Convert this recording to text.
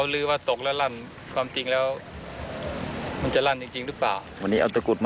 เราจะให้ดูกันหลายมุม